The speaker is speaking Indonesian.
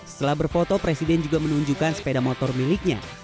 setelah berfoto presiden juga menunjukkan sepeda motor miliknya